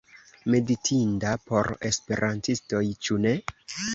Meditinda por esperantistoj, ĉu ne?